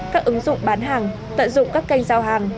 các ứng dụng bán hàng tận dụng các kênh giao hàng